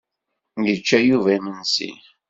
Yečča Yuba imensi.